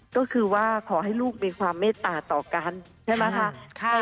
ก็คือว่าขอให้ลูกมีความเมตตาต่อกันใช่ไหมคะ